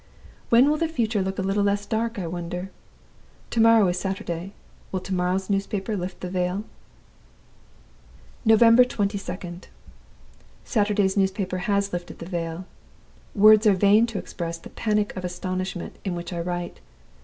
When will the future look a little less dark, I wonder? To morrow is Saturday. Will to morrow's newspaper lift the veil?" "November 22d. Saturday's newspaper has lifted the veil! Words are vain to express the panic of astonishment in which I write.